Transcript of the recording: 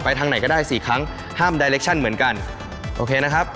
ไปทางไหนก็ได้สี่ครั้งห้ามเหมือนกันโอเคนะครับ